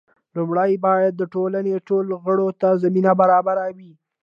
لومړی باید د ټولنې ټولو غړو ته زمینه برابره وي.